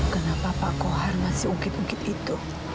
kenapa pak kohar masih ungkit ungkit itu